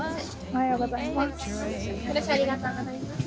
おはようございます。